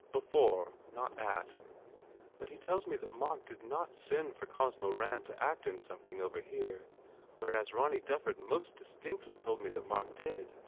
"Before, not at. But he tells me that Mark did not send for Cosmo Rand to act in something over here whereas Ronny Dufford most distinctly told me that Mark did.